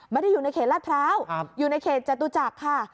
ไม่ได้อยู่ในเขตลาดพร้าวอยู่ในเขตจตุจักรค่ะ